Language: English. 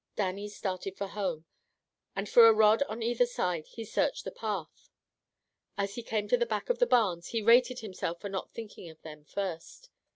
Dannie started for home, and for a rod on either side he searched the path. As he came to the back of the barns, he rated himself for not thinking of them first.